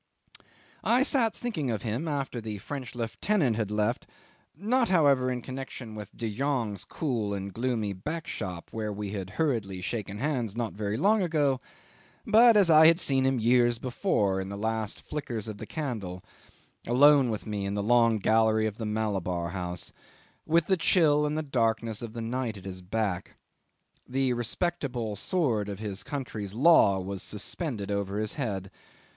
'I sat thinking of him after the French lieutenant had left, not, however, in connection with De Jongh's cool and gloomy backshop, where we had hurriedly shaken hands not very long ago, but as I had seen him years before in the last flickers of the candle, alone with me in the long gallery of the Malabar House, with the chill and the darkness of the night at his back. The respectable sword of his country's law was suspended over his head.